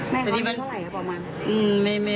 แม่เขาอยู่เท่าไรครับบอกมา